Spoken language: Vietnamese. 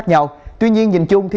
vâng chúc mừng